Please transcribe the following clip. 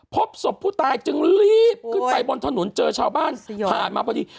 พบศพผู้ตายจึงรีบขึ้นไปบนถนนเจอชาวบ้านผ่านมาพอดี